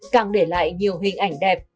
càng để lại nhiều hình ảnh đẹp